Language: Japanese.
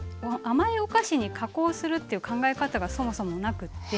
甘いお菓子に加工するっていう考え方がそもそもなくって。